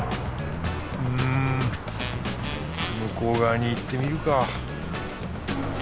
うん向こう側に行ってみるか